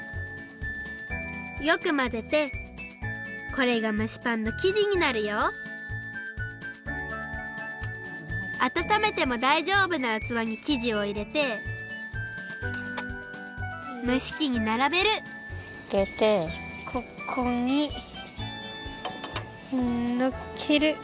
よくまぜてこれがむしパンのきじになるよあたためてもだいじょうぶなうつわにきじをいれてむしきにならべるここにのっける。